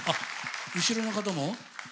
後ろの方も？